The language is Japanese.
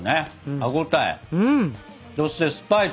歯応えそしてスパイス。